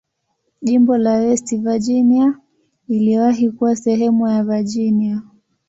Jimbo la West Virginia iliwahi kuwa sehemu ya Virginia.